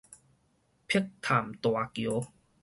碧潭大橋